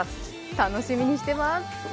楽しみにしています。